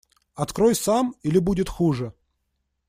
Открой сам, или будет хуже!